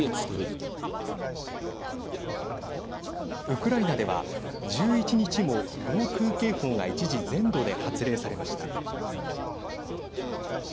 ウクライナでは、１１日も防空警報が一時全土で発令されました。